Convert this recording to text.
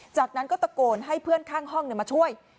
จากนั้นก็ตะโกนให้เพื่อนข้างห้องมาช่วย